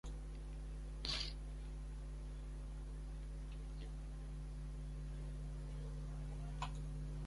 En febrero de "Stretch Armstrong" fue creada con Relativity Media.